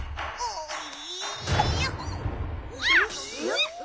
おい！